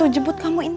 mama aku pasti ke sini